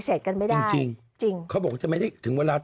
เออเออเนอะ